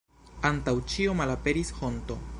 Antaŭ ĉio malaperis honto.